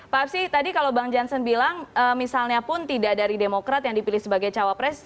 pak absi tadi kalau bang jansen bilang misalnya pun tidak dari demokrat yang dipilih sebagai cawapres